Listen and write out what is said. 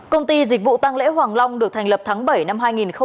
công ty dịch vụ tăng lễ hoàng long được thành lập tháng bảy năm hai nghìn một mươi bảy